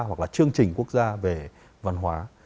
hoặc là chương trình quốc gia về văn hóa